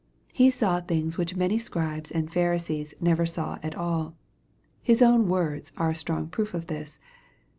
He saw things which many Scribes and Pharisees never saw at all. His own words are a strong proof of this.